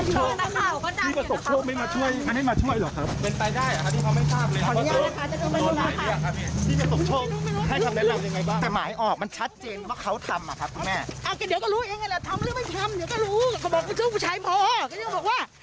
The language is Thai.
ซึ่งผู้ชายพอก็ยังบอกว่า